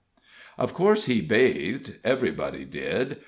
Of course he bathed everybody did.